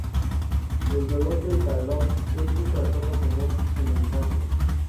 El dolor de talón es un trastorno común en la infancia.